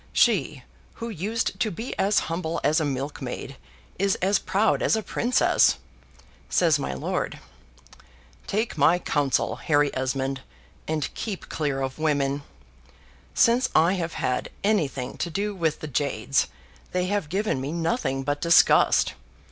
She, who used to be as humble as a milkmaid, is as proud as a princess," says my lord. "Take my counsel, Harry Esmond, and keep clear of women. Since I have had anything to do with the jades, they have given me nothing but disgust.